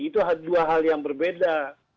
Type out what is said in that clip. itu dua hal yang berbeda